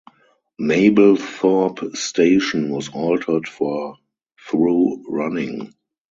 Mablethorpe station was altered for through running.